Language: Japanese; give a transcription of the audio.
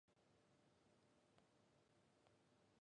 おはよう、いい天気だね